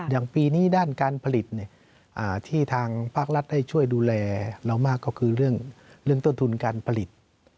อย่างปีนี้ด้านการผลิตที่ทางภาครัฐให้ช่วยดูแลเรามากก็คือเรื่องต้นทุนการผลิต